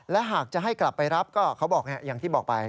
และหากจะให้กลับไปรับก็เขาบอกอย่างที่บอกไป